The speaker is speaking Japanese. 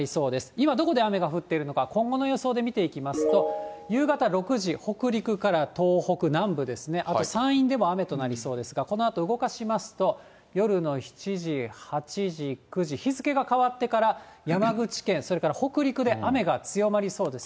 今、どこで雨が降っているのか、今後の予想で見ていきますと、夕方６時、北陸から東北南部ですね、あと山陰でも雨となりそうですが、このあと動かしますと、夜の７時、８時、９時、日付が変わってから、山口県、それから北陸で雨が強まりそうです。